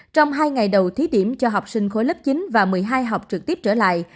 trong hai ngày đầu thí điểm cho học sinh khối lớp chín và một mươi hai học trực tiếp trở lại